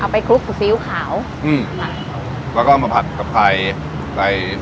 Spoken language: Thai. เอาไปคลุกซีอิ๊วขาวอืมค่ะแล้วก็เอามาผัดกับไข่ใส่